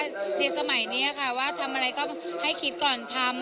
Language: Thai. ในสมัยนี้ค่ะว่าทำอะไรก็ให้คิดก่อนทำ